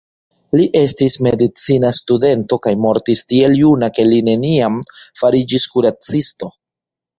Li estis medicina studento kaj mortis tiel juna ke li neniam fariĝis kuracisto.